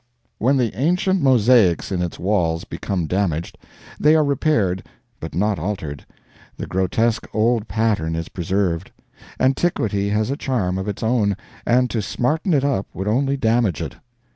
When the ancient mosaics in its walls become damaged, they are repaired but not altered; the grotesque old pattern is preserved. Antiquity has a charm of its own, and to smarten it up would only damage it.